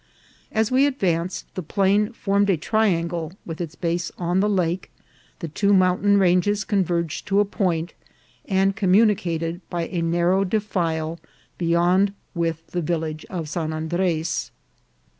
As we advanced the plain formed a triangle with its base on the lake, the two mountain ranges con verged to a point, and communicated by a narrow de file beyond with the village of San Andres.